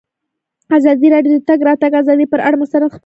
ازادي راډیو د د تګ راتګ ازادي پر اړه مستند خپرونه چمتو کړې.